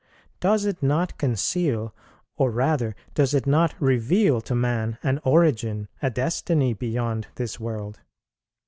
does it not conceal, or rather does it not reveal to man, an origin, a destiny, beyond this world?